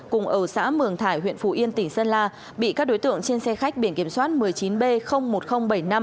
cùng ở xã mường thải huyện phù yên tỉnh sơn la bị các đối tượng trên xe khách biển kiểm soát một mươi chín b một nghìn bảy mươi năm